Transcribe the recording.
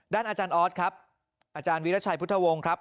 อาจารย์ออสครับอาจารย์วิราชัยพุทธวงศ์ครับ